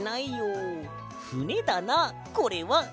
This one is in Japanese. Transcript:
ふねだなこれは。